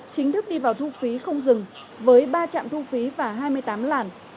chính thức đi vào thu phí không dừng với ba trạm thu phí và hai mươi tám làn